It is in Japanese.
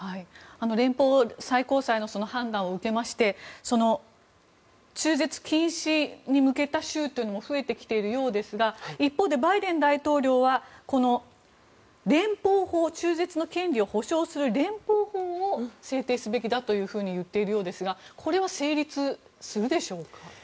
連邦最高裁の判断を受けまして中絶禁止に向けた州も増えてきているようですが一方で、バイデン大統領は中絶の権利を保障する連邦法を制定すべきだと言っているようですがこれは成立するでしょうか。